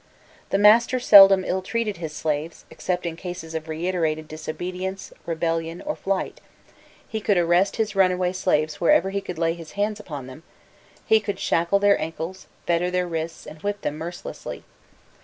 The master seldom ill treated his slaves, except in cases of reiterated disobedience, rebellion, or flight; he could arrest his runaway slaves wherever he could lay his hands on them; he could shackle their ankles, fetter their wrists, and whip them mercilessly.